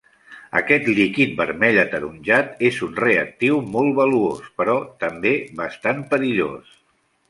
Aquest líquid vermell ataronjat és un reactiu molt valuós, però també bastant perillós.